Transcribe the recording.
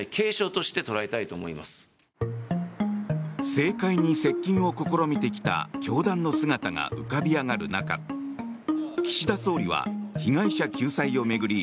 政界に接近を試みてきた教団の姿が浮かび上がる中岸田総理は被害者救済を巡り